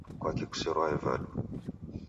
Kwaki' kuserwae vadu?